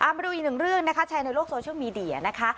มาดูอีกหนึ่งเรื่องนะคะแชร์ในโลกโซเชียลมีเดียนะคะ